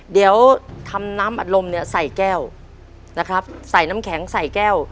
เดี๋ยวทำน้ำอัดลมเนี่ยใส่แก้วนะครับใส่น้ำแข็งใส่แก้ว